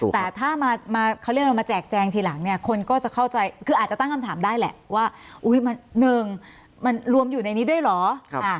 แต่ถ้ามาเขาเรียกเรามาแจกแจงทีหลังเนี่ยคนก็จะเข้าใจคืออาจจะตั้งคำถามได้แหละว่า๑มันรวมอยู่ในนี้ด้วยเหรอ